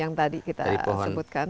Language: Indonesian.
yang tadi kita sebutkan